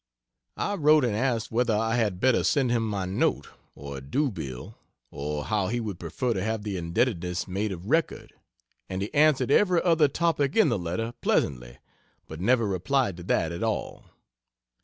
I wrote and asked whether I had better send him my note, or a due bill, or how he would prefer to have the indebtedness made of record and he answered every other topic in the letter pleasantly but never replied to that at all.